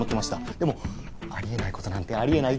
でもあり得ないことなんてあり得ないっていう。